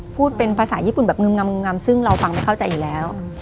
พูดเป็นภาษาญี่ปุ่นแบบงึมงำซึ่งเราฟังไม่เข้าใจอยู่แล้ว